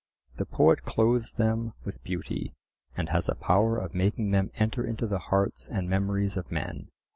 The poet clothes them with beauty, and has a power of making them enter into the hearts and memories of men.